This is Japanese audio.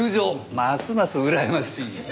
ますますうらやましい。